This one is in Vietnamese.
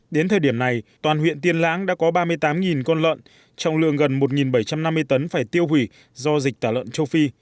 đến thời điểm này toàn huyện tiên lãng đã có ba mươi tám con lợn trọng lượng gần một bảy trăm năm mươi tấn phải tiêu hủy do dịch tả lợn châu phi